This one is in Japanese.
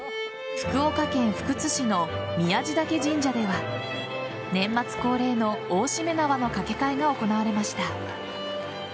福岡県福津市の宮地嶽神社では年末恒例の大しめ縄の掛け替えが行われました。